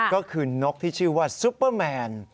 ก็คือนกที่ชื่อว่าซุปเปอร์แมน